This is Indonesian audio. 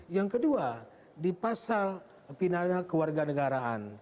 yang kedua di pasal pidana keluarga negaraan